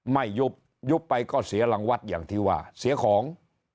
ไม่ยุบยุบไปก็เสียรังวัดอย่างที่ว่าเสียของ